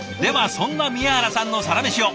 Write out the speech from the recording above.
そんな宮原さんのサラメシを！